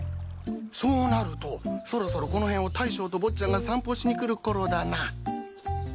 そうなるとそろそろこの辺を大将と坊ちゃんが散歩しに来るころだな。